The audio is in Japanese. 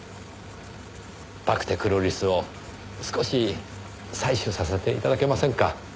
バクテクロリスを少し採取させていただけませんか。